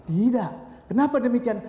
tidak kenapa demikian